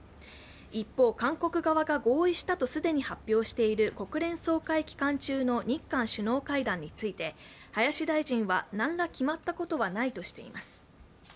一方、韓国側が合意したと既に発表している国連総会期間中の日韓首脳会談について林大臣は、何ら決まったことはないとしています。